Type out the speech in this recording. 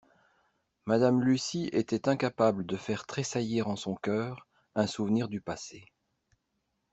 Madame Lucy était incapable de faire tressaillir en son cœur un souvenir du passé.